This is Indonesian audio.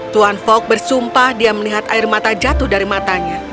tuan fok bersumpah dia melihat air mata jatuh dari matanya